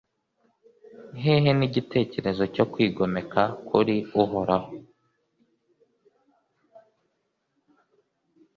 hehe n'igitekerezo cyo kwigomeka kuri uhoraho